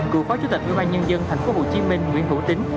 cựu phó chủ tịch ubnd tp hcm nguyễn hữu tính